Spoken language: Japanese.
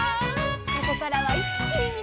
「ここからはいっきにみなさまを」